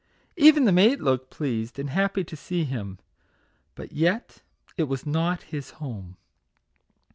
Even the maid looked pleased and happy to see him. But yet it was not his home.